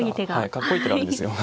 かっこいい手なんですよね。